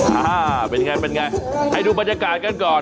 อ่าเป็นไงให้ดูบรรยากาศกันก่อน